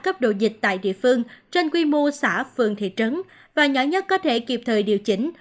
cấp độ dịch tại địa phương trên quy mô xã phường thị trấn và nhỏ nhất có thể kịp thời điều chỉnh